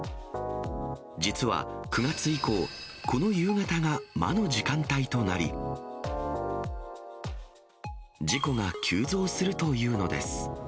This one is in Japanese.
実は９月以降、この夕方が魔の時間帯となり、事故が急増するというのです。